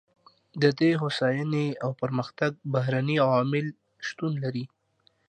د دې هوساینې او پرمختګ بهرني عوامل شتون لري.